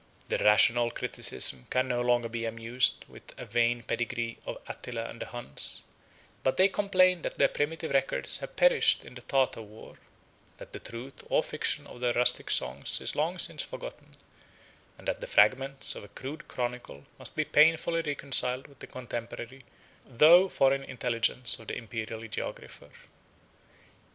18 Their rational criticism can no longer be amused with a vain pedigree of Attila and the Huns; but they complain that their primitive records have perished in the Tartar war; that the truth or fiction of their rustic songs is long since forgotten; and that the fragments of a rude chronicle 19 must be painfully reconciled with the contemporary though foreign intelligence of the imperial geographer.